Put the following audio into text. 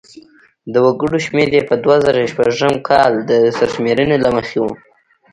د وګړو شمېر یې په دوه زره شپږم کال د سرشمېرنې له مخې و.